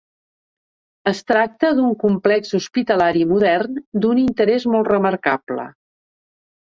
Es tracta d'un complex hospitalari modern d'un interès molt remarcable.